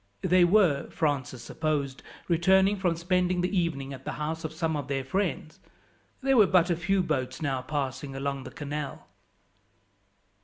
They were, Francis supposed, returning from spending the evening at the house of some of their friends. There were but few boats now passing along the canal.